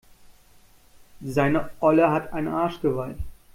Seine Olle hat ein Arschgeweih.